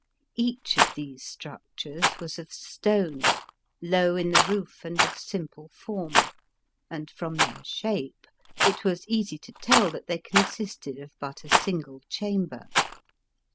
Each of these structures was of stone, low in the roof and of simple form, and, from their shape, it was easy to tell that they consisted of but a single chamber.